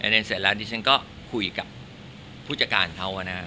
แล้วเสร็จแล้วดีชั้นก็คุยกับพุธการเขาอะนะ